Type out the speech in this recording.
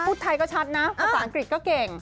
ไทยก็ชัดนะภาษาอังกฤษก็เก่ง